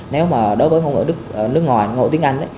nếu mà đối với ngôn ngữ nước ngoài ngôn ngữ tiếng anh